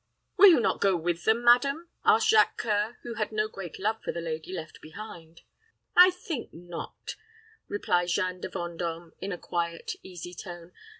"Will you not go with them, madam?" asked Jacques C[oe]ur, who had no great love for the lady left behind. "I think not," replied Jeanne de Vendôme, in a quiet, easy tone.